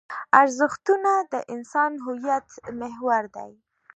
ارزښتونه د انسان د هویت محور دي.